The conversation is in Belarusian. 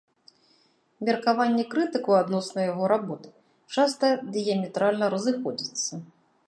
Меркаванні крытыкаў адносна яго работ часта дыяметральна разыходзяцца.